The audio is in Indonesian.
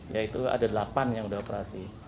yaitu ada delapan yang sudah operasi